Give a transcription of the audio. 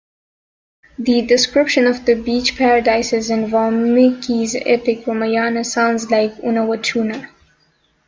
The description of the beach paradises in Valmiki's epic Ramayana sounds like Unawatuna.